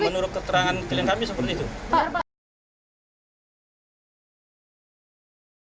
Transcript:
kenal tidak dengan yang menjemput